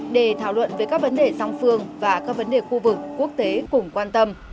để thảo luận về các vấn đề song phương và các vấn đề khu vực quốc tế cùng quan tâm